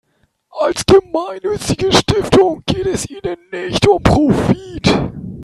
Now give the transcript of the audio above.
Als gemeinnützige Stiftung geht es ihnen nicht um Profit.